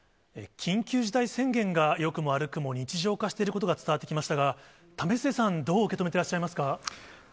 緊急事態宣言が、よくも悪くも日常化していることが伝わってきましたが、為末さん、どう受け止めていらっしゃいますか。